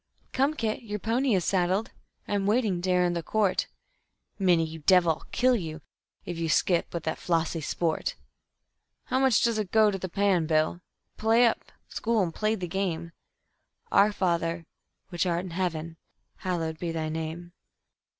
"... Come, Kit, your pony is saddled. I'm waiting, dear, in the court... ... Minnie, you devil, I'll kill you if you skip with that flossy sport... ... How much does it go to the pan, Bill?... play up, School, and play the game... ... Our Father, which art in heaven, hallowed be Thy name..."